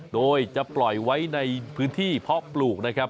โดยจะปล่อยไว้ในพื้นที่เพาะปลูกนะครับ